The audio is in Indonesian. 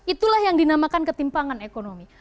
itulah yang dinamakan ketimpangan ekonomi